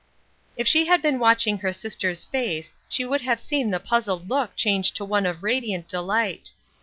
If she had been watching her sister*s face she would have seen the puzzled look change to one of radiant delight.